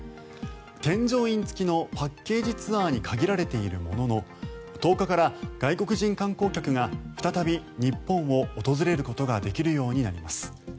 添乗員付きのパッケージツアーに限られているものの１０日から外国人観光客が再び日本を訪れることができるようになります。